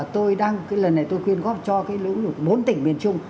tôi khuyên góp cho bốn tỉnh miền trung